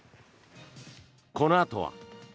このあとは。